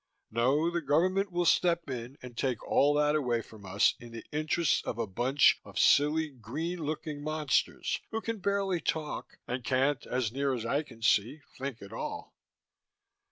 No, the Government will step in and take all that away from us in the interests of a bunch of silly green looking monsters who can barely talk and can't, as near as I can see, think at all.